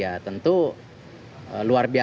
mas ini tadi tadi